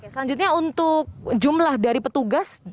selanjutnya untuk jumlah dari petugas